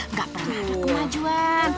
nggak pernah ada kemajuan